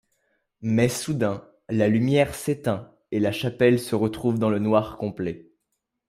Mais soudain, la lumière s'éteint et la chapelle se retrouve dans le noir complet.